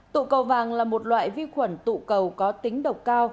tụ cầu vàng là một loại vi khuẩn tụ cầu có tính độc cao